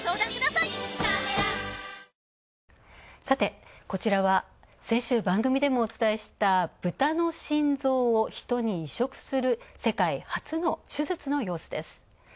さて、こちらは先週、番組でもお伝えした、ブタの心臓を人に移植する世界初の手術の様子です。